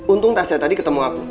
untung tasya tadi ketemu aku